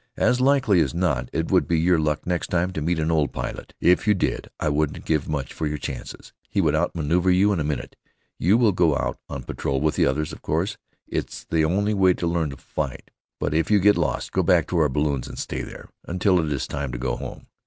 As likely as not it would be your luck the next time to meet an old pilot. If you did, I wouldn't give much for your chances. He would outmaneuver you in a minute. You will go out on patrol with the others, of course; it's the only way to learn to fight. But if you get lost, go back to our balloons and stay there until it is time to go home."